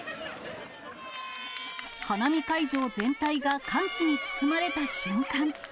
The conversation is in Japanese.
花見会場全体が歓喜に包まれた瞬間。